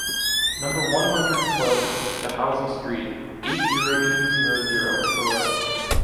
Number one-hundred-and-twelve, Dehaussy Street, eight-zero-two-zero-zero, Péronne.